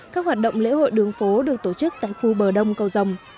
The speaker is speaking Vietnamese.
các hoạt động lễ hội đường phố được tổ chức tại khu bờ đông cầu rồng